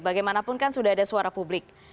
bagaimanapun kan sudah ada suara publik